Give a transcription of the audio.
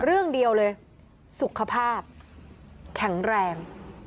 เรื่องเดียวเลยสุขภาพแข็งแรง